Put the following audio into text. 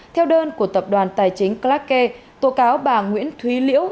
theo đơn của tập đoàn tài chính clark k tổ cáo bà nguyễn thúy liễu